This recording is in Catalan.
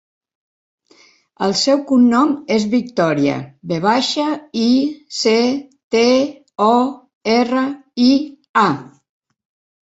El seu cognom és Victoria: ve baixa, i, ce, te, o, erra, i, a.